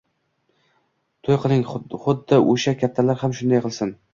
To'y qiling! Xuddi o'sha kattalar ham shunday qilsin